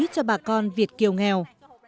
cho bà con việt kiều nghèo